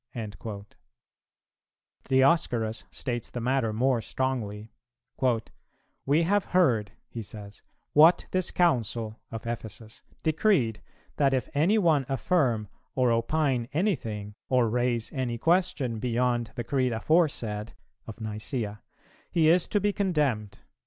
"[302:1] Dioscorus states the matter more strongly: "We have heard," he says, "what this Council" of Ephesus "decreed, that if any one affirm or opine anything, or raise any question, beyond the Creed aforesaid" of Nicæa, "he is to be condemned."